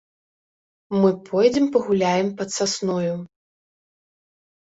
Мы пойдзем пагуляем пад сасною.